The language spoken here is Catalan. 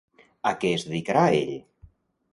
A què es dedicarà ell?